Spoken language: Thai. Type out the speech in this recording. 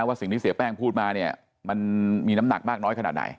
ว่าสิ่งที่เสียแป้งพูดมาเนี่ยมันมีน้ำหนักมากน้อยขนาดไหน